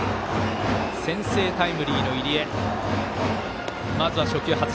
先制タイムリーの入江。